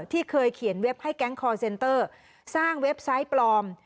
ที่เคยเขียนเว็บให้แก๊งคอร์เซนเตอร์สร้างเว็บไซต์ปลอม